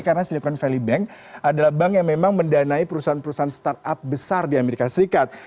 karena silicon valley bank adalah bank yang memang mendanai perusahaan perusahaan startup besar di amerika serikat